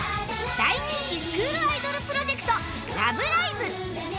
大人気スクールアイドルプロジェクト『ラブライブ！』